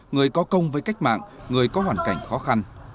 người có công với cách mạng người có hoàn cảnh khó khăn